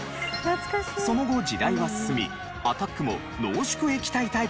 その後時代は進みアタックも濃縮液体タイプが登場。